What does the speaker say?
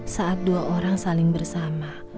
saat dua orang saling bersama